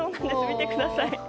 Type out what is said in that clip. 見てください。